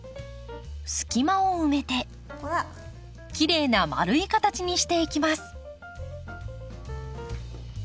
隙間を埋めてきれいな丸い形にしていきます。